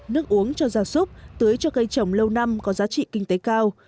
nước uống cho gia súc tưới cho cây trồng lâu năm có giá trị kinh tế cao